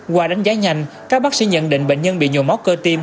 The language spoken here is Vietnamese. qua đánh giá nhanh các bác sĩ nhận định bệnh nhân bị nhồi máu cơ tim